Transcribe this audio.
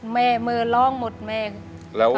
แมมือร่องหมดแมมภรกณะ